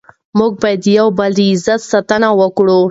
موږ باید د یو بل د عزت ساتنه وکړو.